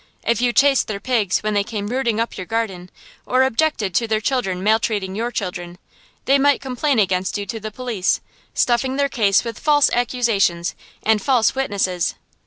If you chased their pigs when they came rooting up your garden, or objected to their children maltreating your children, they might complain against you to the police, stuffing their case with false accusations and false witnesses.